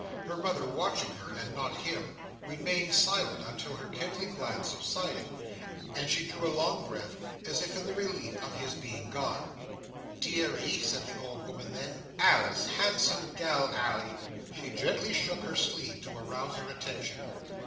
Her mother watching her, and not him, remained silent; until her kindling glance subsided, and she drew a long breath, as if in the relief of his being gone. "Deary!" said the old woman then. "Alice! Handsome gall Ally!" She gently shook her sleeve to arouse her attention.